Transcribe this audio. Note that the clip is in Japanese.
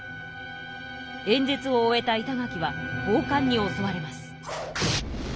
演説を終えた板垣は暴漢に襲われます。